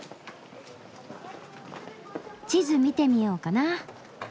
地図見てみようかな。